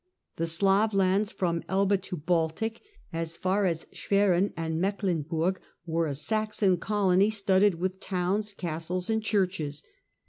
The Slav lands from Elbe to Baltic, as far as Schwerin and Mecklenburg, were a Saxon colony, studded with towns, castles and churches.